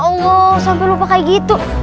ya allah sampe lupa kayak gitu